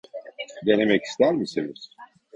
Denemek ister misiniz?